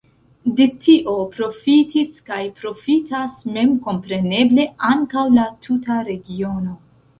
De tio profitis kaj profitas memkompreneble ankaŭ la tuta regiono.